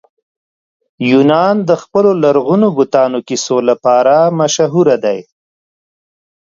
یونان د خپلو لرغونو بتانو کیسو لپاره مشهوره دی.